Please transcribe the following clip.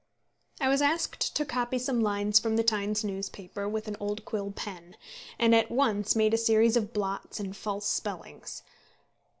I was asked to copy some lines from the Times newspaper with an old quill pen, and at once made a series of blots and false spellings.